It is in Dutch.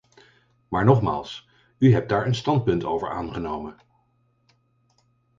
Maar nogmaals, u hebt daar een standpunt over aangenomen.